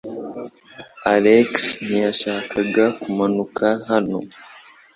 Alex ntiyashakaga kumanuka hano.